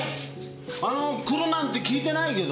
あの来るなんて聞いてないけど。